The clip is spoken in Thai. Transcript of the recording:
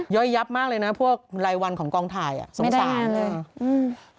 ย่อยยับมากเลยนะพวกรายวันของกองถ่ายสงสารเลย